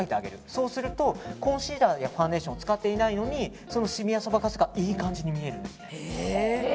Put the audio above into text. そうするとコンシーラーやファンデーションを使っていないのにシミやそばかすがいい感じに見えるんです。